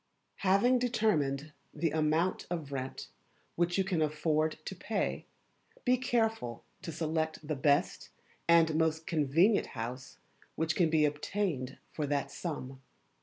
Having determined the Amount of Rent which you can afford to pay, be careful to select the best and most convenient house which can be obtained for that sum.